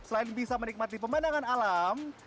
dan bisa menikmati pemandangan alam